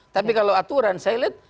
tapi kalau aturan saya lihat